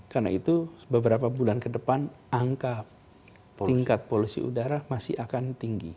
karena itu beberapa bulan ke depan angka tingkat polusi udara masih akan tinggi